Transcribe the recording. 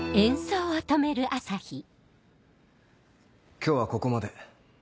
今日はここまで。